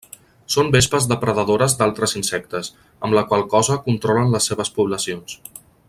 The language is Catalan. Són vespes depredadores d'altres insectes, amb la qual cosa controlen les seves poblacions.